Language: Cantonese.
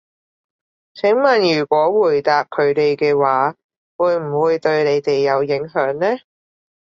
請問如果回答佢哋嘅話，會唔會對你哋有影響呢？